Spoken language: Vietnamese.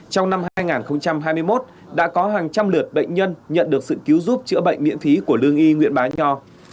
trong năm hai nghìn hai mươi một đã có hàng trăm lượt bệnh nhân nhận được sự cứu giúp chữa bệnh miễn phí của lương y nguyễn bá nho